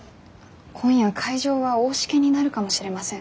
今夜海上は大時化になるかもしれません。